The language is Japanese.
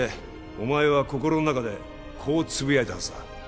お前は心の中でこうつぶやいたはずだ